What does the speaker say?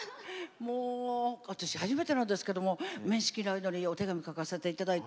もう、私、初めてなんですけども面識がないのにお手紙を書かせていただいて。